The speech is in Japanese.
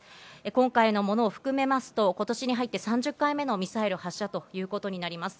今回のものを含めますと、今年に入って、３０回目のミサイル発射ということになります。